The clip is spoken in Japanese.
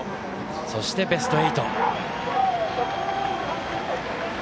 そしてベスト８。